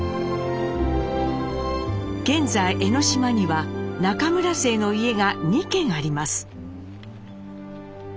現在江島には中村姓の家が２軒あります。